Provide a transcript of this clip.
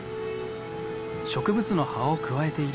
植物の葉をくわえている。